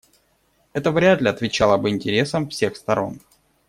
Это вряд ли отвечало бы интересам всех сторон.